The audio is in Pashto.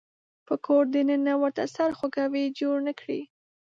په کور د ننه ورته سرخوږی جوړ نه کړي.